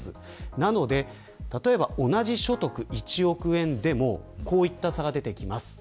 なので、同じ所得１億円でもこういった差が出てきます。